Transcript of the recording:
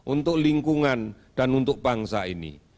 untuk lingkungan dan untuk bangsa ini